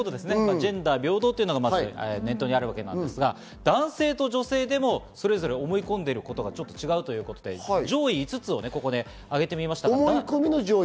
ジェンダー、平等ということがまず頭にあるわけですが、男性と女性でもそれぞれ思い込んでることはちょっと違うということで、上位５つをここに挙げてみました。